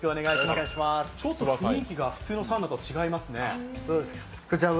ちょっと雰囲気が普通のサウナとは違いますね。